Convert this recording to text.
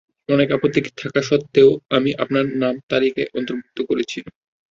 অনেক আপত্তি থাকা সত্ত্বেও আমি আপনার নাম তালিকায় অন্তর্ভুক্ত করেছি।